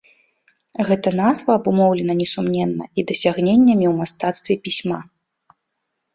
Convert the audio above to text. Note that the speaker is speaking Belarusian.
Гэта назва абумоўлена несумненна і дасягненнямі ў мастацтве пісьма.